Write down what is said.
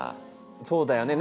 そうだよね。